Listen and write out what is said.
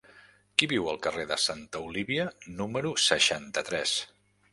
Qui viu al carrer de Santa Olívia número seixanta-tres?